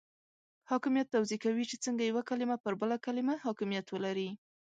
حاکمیت توضیح کوي چې څنګه یوه کلمه پر بله کلمه حاکمیت ولري.